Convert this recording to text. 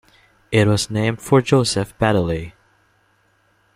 It was named for Joseph Baddeley.